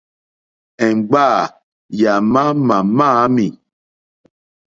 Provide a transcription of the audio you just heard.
Èŋɡbâ yà má màmâ ámì.